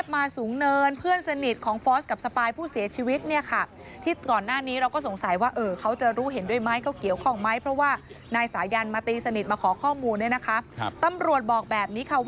ไม่ต้องกลัวว่าผู้ต้องหาเขามีเงินจะเอาเงินมาล้มคดี